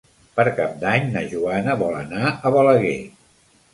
Per Cap d'Any na Joana vol anar a Balaguer.